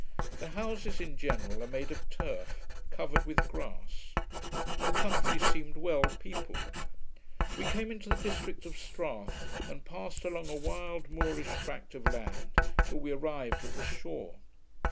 The houses in general are made of turf, covered with grass. The country seemed well peopled. We came into the district of Strath, and passed along a wild moorish tract of land till we arrived at the shore.